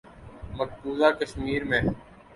مقبوضہ کشمیر میں